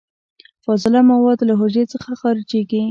فاضله مواد له حجرې څخه خارجیږي.